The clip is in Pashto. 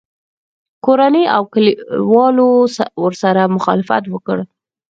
کورنۍ او کلیوالو ورسره مخالفت وکړ